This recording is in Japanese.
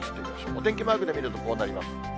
お天気マークで見るとこうなります。